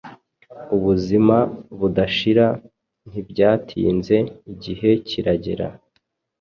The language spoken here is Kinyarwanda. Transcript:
Ubuzima budashira Ntibyatinze igihe kiragera